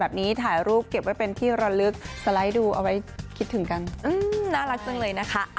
กดลงอะไรแบบนี้แค่นั้นเลย